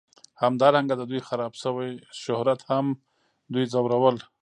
همدارنګه د دوی خراب شوي شهرت هم دوی ځورول